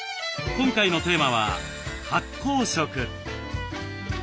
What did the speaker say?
今回のテーマは「発酵食」。